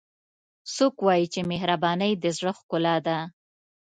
څوک وایي چې مهربانۍ د زړه ښکلا ده